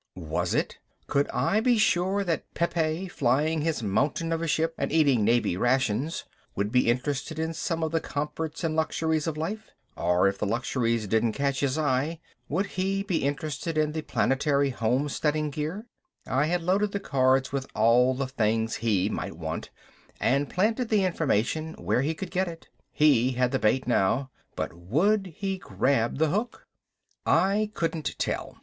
Was it? Could I be sure that Pepe, flying his mountain of a ship and eating Navy rations, would be interested in some of the comforts and luxuries of life? Or if the luxuries didn't catch his eye, would he be interested in the planetary homesteading gear? I had loaded the cards with all the things he might want, and planted the information where he could get it. He had the bait now but would he grab the hook? I couldn't tell.